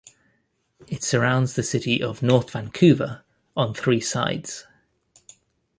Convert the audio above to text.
It surrounds the City of North Vancouver on three sides.